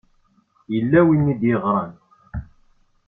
Yella win i d-yeɣṛan.